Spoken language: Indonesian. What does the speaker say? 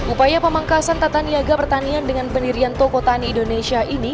upaya pemangkasan tata niaga pertanian dengan pendirian toko tani indonesia ini